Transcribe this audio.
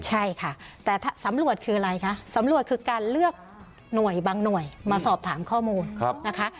ใช่ค่ะแต่สำรวจคืออะไรคะสำรวจคือการเลือกหน่วยบางหน่วยมาสอบถามข้อมูลนะคะ